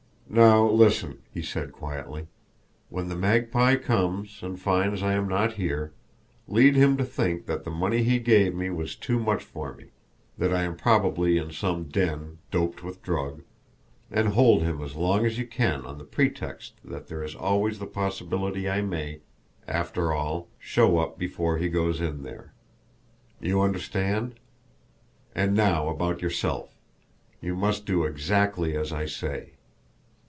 "Now, listen," he said quietly. "When the Magpie comes and finds I am not here, lead him to think that the money he gave me was too much for me; that I am probably in some den, doped with drug and hold him as long as you can on the pretext that there is always the possibility I may, after all, show up before he goes in there. You understand? And now about yourself you must do exactly as I say.